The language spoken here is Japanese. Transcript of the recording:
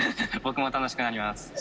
僕も楽しくなります